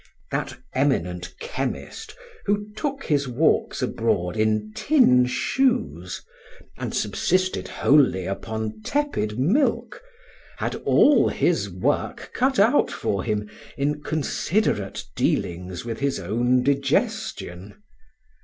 That eminent chemist who took his walks abroad in tin shoes, and subsisted wholly upon tepid milk, had all his work cut out for him in considerate dealings with his own digestion.